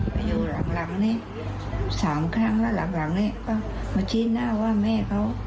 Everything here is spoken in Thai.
ไปอยู่หลังนี้๓ครั้งแล้วหลังนี้ก็มาชี้หน้าว่าแม่เขา